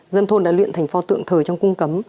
dân thôn đã luyện thành pho tượng thời trong cung cấm